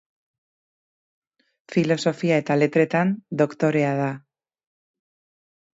Filosofia eta Letretan doktorea da.